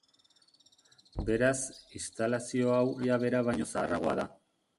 Beraz, instalazio hau lantegia bera baino zaharragoa da.